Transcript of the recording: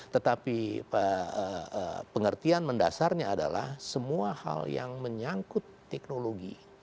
tetapi pengertian mendasarnya adalah semua hal yang menyangkut teknologi